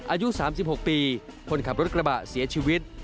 อายุ๓๖ปีคนขับรถกระบะเสียชีวิต